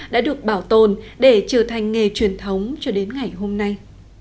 đã được bảo tồn để trở thành nghề truyền thống cho đến ngày hôm nay